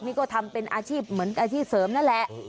นี่ก็ทำเป็นอาชีพเหมือนอาชีพเสริมนั่นแหละ